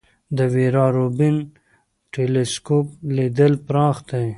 د ویرا روبین ټیلسکوپ لید پراخ دی.